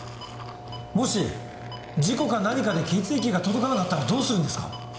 「もし事故か何かで血液が届かなかったらどうするんですか？」